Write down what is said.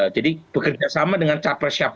jadi bekerjasama dengan capresya papua